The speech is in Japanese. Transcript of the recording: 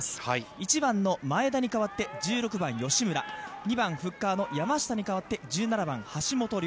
１番の前田に代わって１６番吉村、２番フッカーの山下に代わって１７番、橋本凌。